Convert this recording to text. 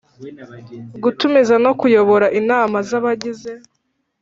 Gutumiza no kuyobora inama z abagize